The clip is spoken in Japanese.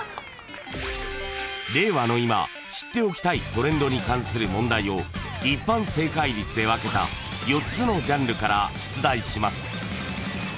［令和の今知っておきたいトレンドに関する問題を一般正解率で分けた４つのジャンルから出題します］